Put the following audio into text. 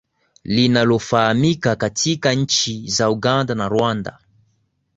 Linalofahamika katika nchi za Uganda na Rwanda